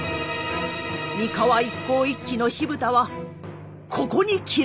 三河一向一揆の火蓋はここに切られました。